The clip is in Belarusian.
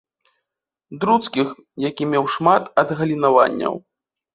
Друцкіх, які меў шмат адгалінаванняў.